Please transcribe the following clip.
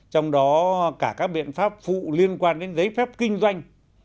trong đó cả các biện pháp phụ liên quan đến giấy phép kinh doanh